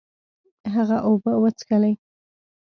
هغه اوبه وڅښلې.